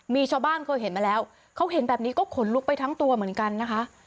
มีชาวบ้านเคยเห็นมาแล้วเขาเห็นแบบนี้ก็ขนลุกไปทั้งตัวเหมือนกันนะคะ